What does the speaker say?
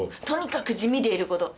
とにかく地味でいる事。